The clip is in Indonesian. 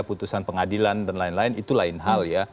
keputusan pengadilan dan lain lain itu lain hal